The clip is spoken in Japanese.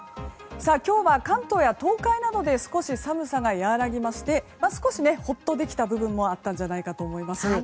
今日は関東や東海などで少し寒さが和らぎまして少しほっとできた部分もあったんじゃないかと思います。